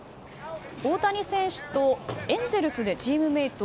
大谷選手とエンゼルスでチームメート。